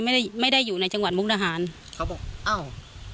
ไม่ได้ไม่ได้อยู่ในจังหวัดมุกดาหารเขาบอกอ้าว